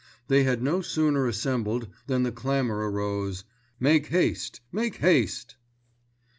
They had no sooner assembled than the clamour arose, "Make haste. Make haste."